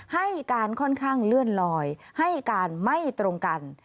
ให้การค่อนข้างเลื่อนลอยให้การไม่ตรงกัน